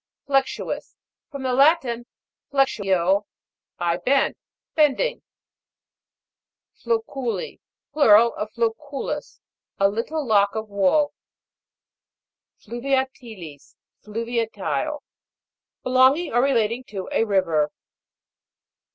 FLEX'UOUS. From the Latin, flecto, I bend. Bending. FLOC'CULI. Plural offloculus, a lit tie lock of wool. FLUVIATI'LIS. Fluviatile ; belonging or relating to a river.